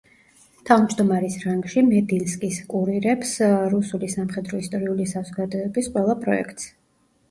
თავმჯდომარის რანგში, მედინსკის კურირებს რუსული სამხედრო-ისტორიული საზოგადოების ყველა პროექტს.